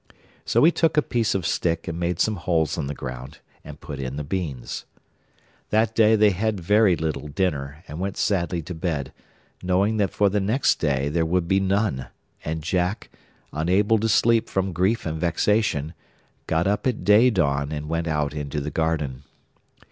So he took a piece of stick, and made some holes in the ground, and put in the beans. That day they had very little dinner, and went sadly to bed, knowing that for the next day there would be none and Jack, unable to sleep from grief and vexation, got up at day dawn and went out into the garden.